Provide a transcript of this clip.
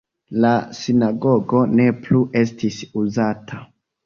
La sinagogo ne plu estis uzata.